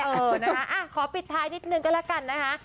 เออนะคะขอปิดท้ายนิดนึงก็แล้วกันนะคะ